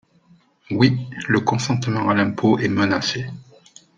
Oui, le consentement à l’impôt est menacé.